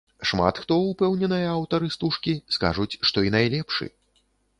Шмат хто, упэўненыя аўтары стужкі, скажуць, што і найлепшы.